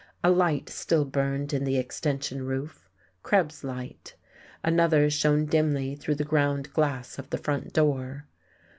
A light still burned in the extension roof Krebs's light; another shone dimly through the ground glass of the front door.